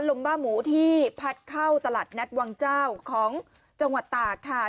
บ้าหมูที่พัดเข้าตลาดนัดวังเจ้าของจังหวัดตากค่ะ